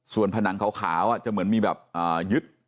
ส่วนผนังขาวจะเหมือนมีแบบยึด